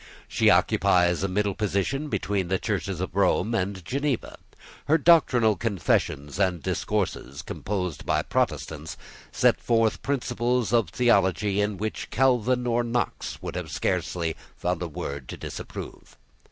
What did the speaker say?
She occupies a middle position between the Churches of Rome and Geneva. Her doctrinal confessions and discourses, composed by Protestants, set forth principles of theology in which Calvin or Knox would have found scarcely a word to disapprove.